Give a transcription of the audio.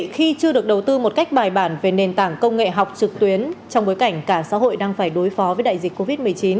khi chưa được đầu tư một cách bài bản về nền tảng công nghệ học trực tuyến trong bối cảnh cả xã hội đang phải đối phó với đại dịch covid một mươi chín